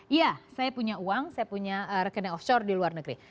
iya saya punya uang saya punya rekening offshore di luar negeri